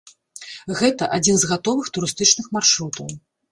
Гэта адзін з гатовых турыстычных маршрутаў.